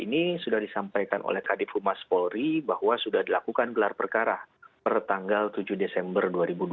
ini sudah disampaikan oleh kadif humas polri bahwa sudah dilakukan gelar perkara per tanggal tujuh desember dua ribu dua puluh